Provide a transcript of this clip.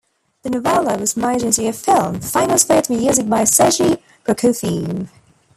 The novella was made into a film, famous for its music by Sergei Prokofiev.